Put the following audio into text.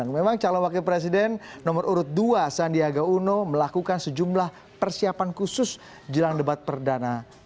memang calon wakil presiden nomor urut dua sandiaga uno melakukan sejumlah persiapan khusus jelang debat perdana